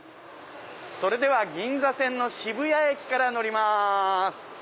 それでは銀座線の渋谷駅から乗ります。